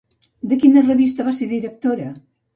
De quina revista va ser directora?